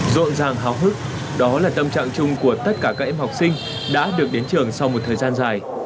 rộn ràng háo hức đó là tâm trạng chung của tất cả các em học sinh đã được đến trường sau một thời gian dài